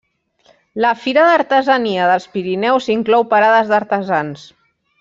La Fira d'Artesania dels Pirineus inclou parades d'artesans.